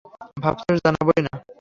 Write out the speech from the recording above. ভাবছোস জানবোই না?